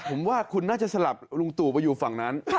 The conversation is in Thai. ผมว่าคุณน่าจะสลับลุงตู่ไปอยู่ฝั่งนั้น